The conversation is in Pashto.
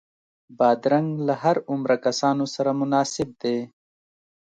بادرنګ له هر عمره کسانو سره مناسب دی.